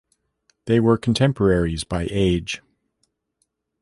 They were contemporaries by age.